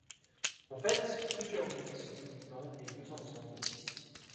En fait, plusieurs mix combinant les deux ensemble existent.